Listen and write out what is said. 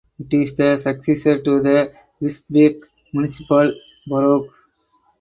It is the successor to the Wisbech Municipal Borough.